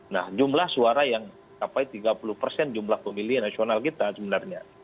nah jumlah suara yang sampai tiga puluh persen jumlah pemilih nasional kita sebenarnya